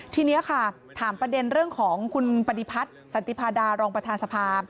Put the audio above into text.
ทีนี้ค่ะถามประเด็นเรื่องของคุณปฏิพัฒน์สันติพาดารองประธานสภา